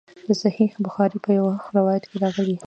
د صحیح بخاري په یوه روایت کې راغلي.